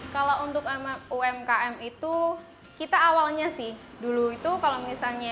kalau untuk umkm itu kita awalnya sih dulu itu kalau misalnya